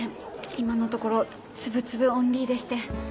今のところつぶつぶオンリーでして。